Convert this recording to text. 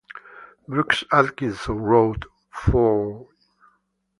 Brooks Atkinson wrote: For 'J.